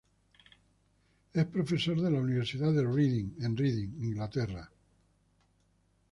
Es profesor de la Universidad de Reading en Reading, Inglaterra.